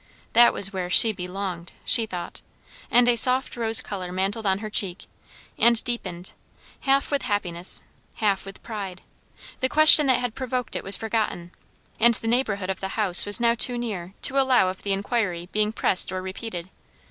That was where she "belonged," she thought; and a soft rose colour mantled on her cheek, and deepened, half with happiness, halt with pride. The question that had provoked it was forgotten; and the neighbourhood of the house was now too near to allow of the inquiry being pressed or repeated.